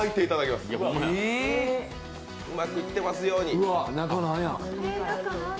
うまくいっていますように。